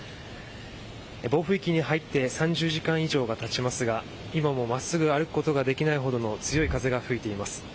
暴風域に入って３０時間以上がたちますが今も、真っすぐ歩くことができないほどの強い風が吹いています。